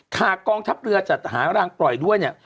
กองทัพเรือจัดหารางปล่อยด้วยเนี่ย